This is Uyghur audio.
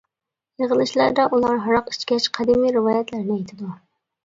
يىغىلىشلاردا ئۇلار ھاراق ئىچكەچ قەدىمىي رىۋايەتلەرنى ئېيتىدۇ.